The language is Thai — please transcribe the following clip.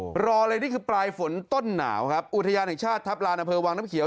รอเลยนี่คือปลายฝนต้นหนาวครับอุทยานแห่งชาติทัพลานอำเภอวังน้ำเขียว